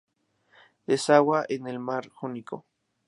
Desagua en el mar Jónico.